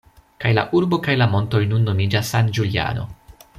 Kaj la urbo kaj la montoj nun nomiĝas San Giuliano.